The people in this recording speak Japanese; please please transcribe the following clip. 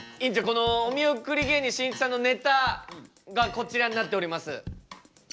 このお見送り芸人しんいちさんのネタがこちらになっております。